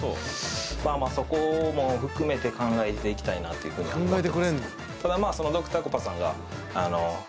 まあまあそこも含めて考えていきたいなというふうには思ってますね。